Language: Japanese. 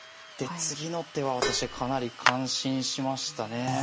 で次の手は私かなり感心しましたね。